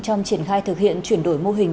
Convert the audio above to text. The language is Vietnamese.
trong triển khai thực hiện chuyển đổi mô hình